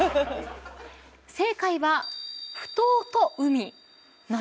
正解は『埠頭と海』なんです。